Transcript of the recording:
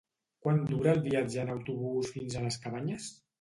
Quant dura el viatge en autobús fins a les Cabanyes?